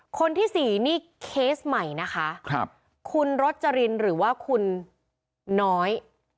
คนที่สี่นี่เคสใหม่นะคะคุณรจรินหรือว่าคุณน้อย